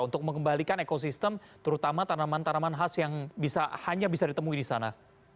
untuk mengembalikan ekosistem terutama tanaman tanaman khas yang hanya bisa ditemui di sana